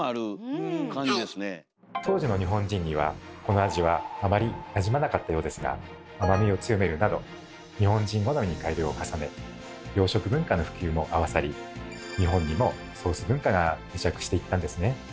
当時の日本人にはこの味はあまりなじまなかったようですが甘みを強めるなど日本人好みに改良を重ね洋食文化の普及も合わさり日本にもソース文化が定着していったんですね。